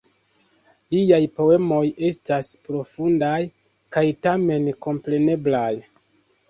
Liaj poemoj estas profundaj kaj tamen kompreneblaj.